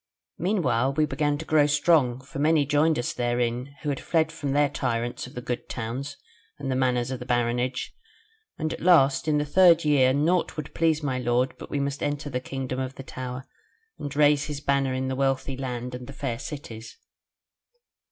Meanwhile we began to grow strong, for many joined us therein who had fled from their tyrants of the good towns and the manors of the baronage, and at last in the third year naught would please my lord but we must enter into the Kingdom of the Tower, and raise his banner in the wealthy land, and the fair cities.